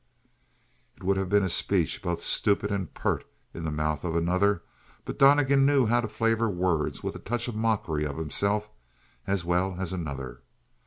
It would have been a speech both stupid and pert in the mouth of another; but Donnegan knew how to flavor words with a touch of mockery of himself as well as another.